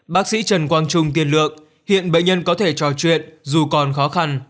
bác sĩ trần quang trung tiên lượng hiện bệnh nhân có thể trò chuyện dù còn khó khăn